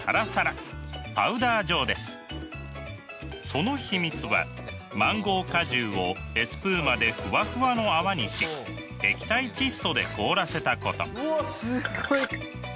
その秘密はマンゴー果汁をエスプーマでフワフワの泡にし液体窒素で凍らせたこと。